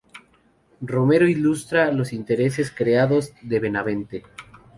Romero ilustra "Los intereses creados" de Benavente.